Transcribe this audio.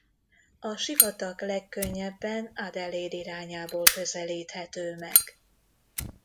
A sivatag legkönnyebben Adelaide irányából közelíthető meg.